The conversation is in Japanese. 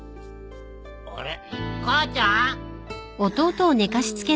あれ母ちゃん？